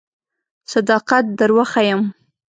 صداقت در وښیم.